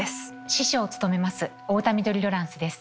司書を務めます太田緑ロランスです。